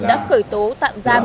đã cởi tố tạm giam